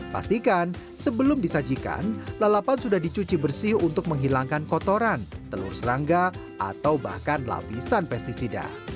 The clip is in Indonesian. pastikan sebelum disajikan lalapan sudah dicuci bersih untuk menghilangkan kotoran telur serangga atau bahkan lapisan pesticida